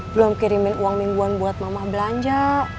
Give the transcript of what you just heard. belum kirimin uang mingguan buat mama belanja